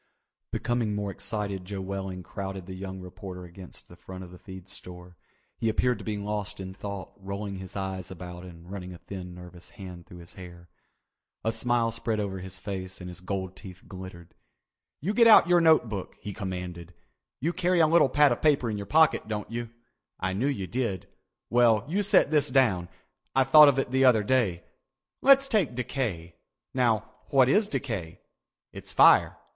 Becoming more excited Joe Welling crowded the young reporter against the front of the feed store. He appeared to be lost in thought, rolling his eyes about and running a thin nervous hand through his hair. A smile spread over his face and his gold teeth glittered. "You get out your note book," he commanded. "You carry a little pad of paper in your pocket, don't you? I knew you did. Well, you set this down. I thought of it the other day. Let's take decay. Now what is decay? It's fire.